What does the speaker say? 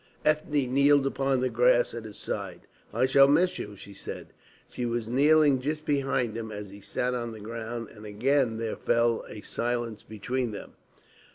Ethne kneeled upon the grass at his side. "I shall miss you," she said. She was kneeling just behind him as he sat on the ground, and again there fell a silence between them.